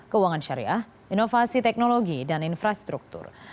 keuangan syariah inovasi teknologi dan infrastruktur